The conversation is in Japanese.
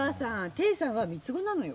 テイさんは三つ子なのよ。